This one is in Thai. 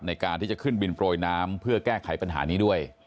ในการที่จะขึ้นบินโปรยน้ำเพื่อแก้ไขปัญหานี้ด้วย